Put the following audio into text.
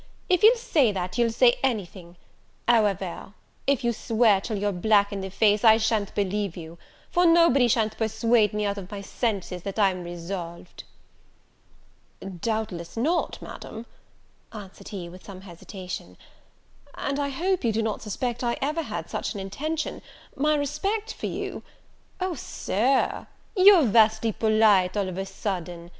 if you'll say that, you'll say anything: however, if you swear till you're black in the face, I sha'n't believe you; for nobody sha'n't persuade me out of my senses, that I'm resolved." "Doubtless not, Madam," answered he with some hesitation; "and I hope you do not suspect I ever had such an intention; my respect for you " "O, Sir, you're vastly polite all of a sudden!